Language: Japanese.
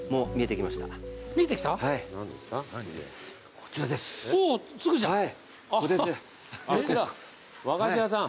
こちら和菓子屋さん。